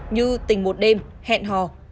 như tình một đêm hẹn hò